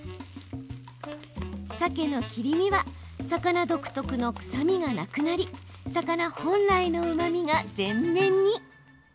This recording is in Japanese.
さけの切り身は魚独特の臭みがなくなり魚本来のうまみが全面に。